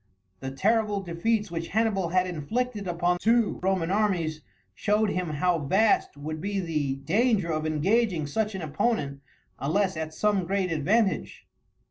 The terrible defeats which Hannibal had inflicted upon two Roman armies showed him how vast would be the danger of engaging such an opponent unless at some great advantage.